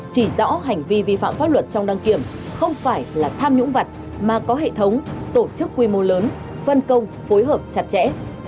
chỉ rõ hành vi vi phạm pháp luật trong đăng kiểm không phải là tham nhũng vật mà có hệ thống tổ chức quy mô lớn phân công phối hợp chặt chẽ